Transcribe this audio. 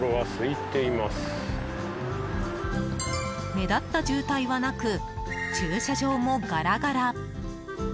目立った渋滞はなく駐車場もガラガラ。